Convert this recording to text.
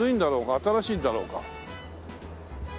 新しいんだろうか？